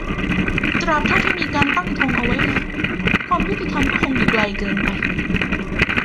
ตราบเท่าที่มีการตั้งธงเอาไว้แล้ว ความยุติธรรมก็คงอยู่ไกลเกินไป